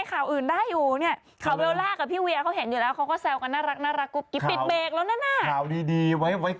ใครอย่างนั้นใครอย่างนั้นพูดเลยพูดมาขนาดนี้แล้ว